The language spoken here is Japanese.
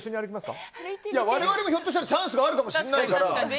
我々もひょっとしたらチャンスがあるかもしれないから。